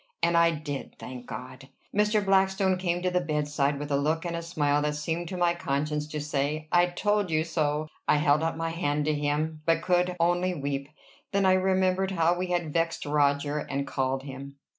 And I did thank God. Mr. Blackstone came to the bedside, with a look and a smile that seemed to my conscience to say, "I told you so." I held out my hand to him, but could only weep. Then I remembered how we had vexed Roger, and called him.